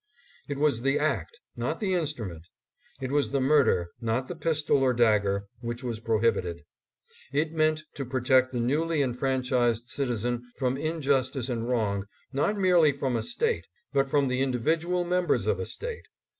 It was the act, not the instrument ; it was the murder, not the pistol or dagger, which was prohibited. It meant to protect the newly enfranchised citizen from injustice and wrong, not merely from a State, but from the individual members of a State.